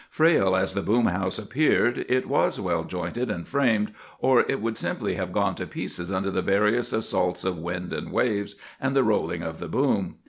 "Frail as the boom house appeared, it was well jointed and framed, or it would simply have gone to pieces under the various assaults of wind and waves, and the rolling of the boom.